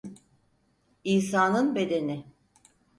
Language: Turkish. İsa'nın bedeni.